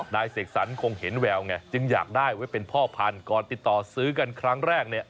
เสกสรรคงเห็นแววไงจึงอยากได้ไว้เป็นพ่อพันธุ์ก่อนติดต่อซื้อกันครั้งแรกเนี่ย